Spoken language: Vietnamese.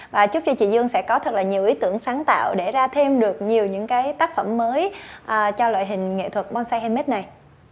và chúc cho chị dương sẽ có thật là nhiều ý tưởng sáng tạo để ra thêm được nhiều những cái tác phẩm mới cho loại hình nghệ thuật bonsai handmade này